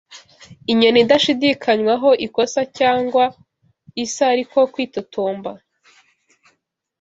inyoni idashidikanywaho ikosa cyangwa isa ariko kwitotomba